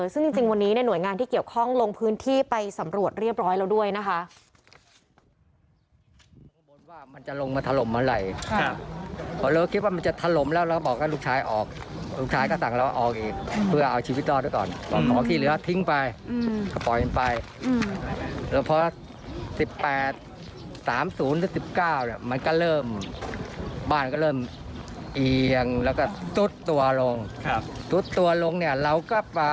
ซึ่งจริงวันนี้หน่วยงานที่เกี่ยวข้องลงพื้นที่ไปสำรวจเรียบร้อยแล้วด้วยนะคะ